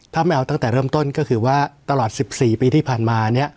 ถ้าไม่เอาตั้งแต่เริ่มต้นก็คือว่าตลอด๑๔ปีที่ผ่านมาเนี่ย